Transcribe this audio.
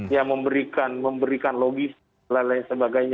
ya memberikan logis